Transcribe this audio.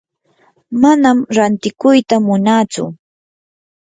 manam rantikuyta munatsu.